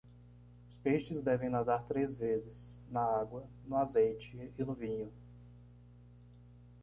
Os peixes devem nadar três vezes: na água, no azeite e no vinho.